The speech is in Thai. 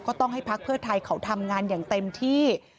ต้องให้พักเพื่อไทยเขาทำงานอย่างเต็มที่